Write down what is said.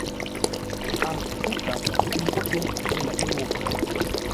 A fú kap tó leʼé wo.